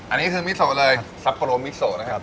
อันนี้คือมิโซเลยซัปโปโลมิโซนะครับ